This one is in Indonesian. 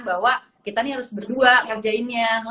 bahwa kita nih harus berdua ngerjainnya